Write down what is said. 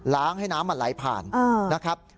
ให้น้ำมันไหลผ่านนะครับ